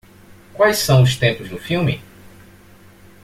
Quais são os tempos do filme?